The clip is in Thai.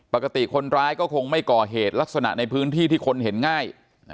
ปกติคนร้ายก็คงไม่ก่อเหตุลักษณะในพื้นที่ที่คนเห็นง่าย